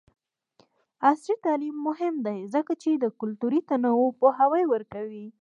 عصري تعلیم مهم دی ځکه چې د کلتوري تنوع پوهاوی ورکوي.